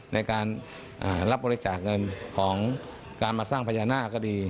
ในการรับบริจาคเงินของการมาสร้างพญานาคก็ดี